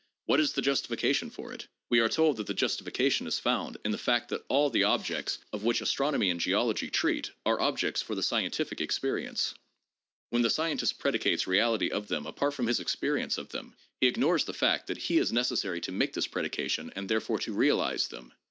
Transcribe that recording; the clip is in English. What is the justification for it? We are told that the justification is found in the fact that all the objects of 270 THE PHILOSOPHICAL REVIEW. [Vol. XVI. which astronomy and geology treat are objects for the scientific experience. When the scientist predicates reality of them apart from his experience of them, he ignores the fact that he is neces sary to make this predication and therefore to realize them.